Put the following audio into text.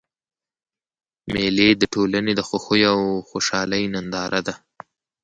مېلې د ټولني د خوښیو او خوشحالۍ ننداره ده.